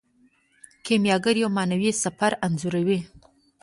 کیمیاګر یو معنوي سفر انځوروي.